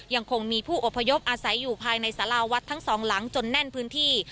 ยังคงมีผู้อพยพอาศัยอยู่ภายในสาราวัดทั้งสองหลังจนแน่นพื้นที่